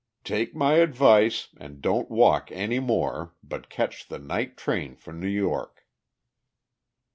"Take my advice, and don't walk any more, but catch the night train for New York."